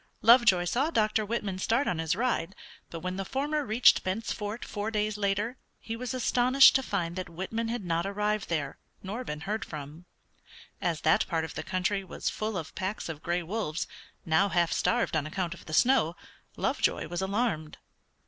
Lovejoy saw Dr. Whitman start on his ride, but when the former reached Bent's Fort four days later he was astonished to find that Whitman had not arrived there, nor been heard from. As that part of the country was full of packs of gray wolves, now half starved on account of the snow, Lovejoy was alarmed.